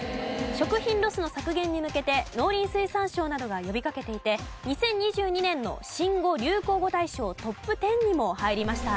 食品ロスの削減に向けて農林水産省などが呼びかけていて２０２２年の新語・流行語大賞トップ１０にも入りました。